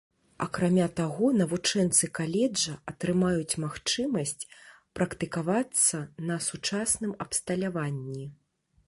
Акрамя таго, навучэнцы каледжа атрымаюць магчымасць практыкавацца на сучасным абсталяванні.